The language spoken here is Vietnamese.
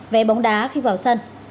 vé bóng đá khi vào sân